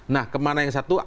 nah kemana yang satu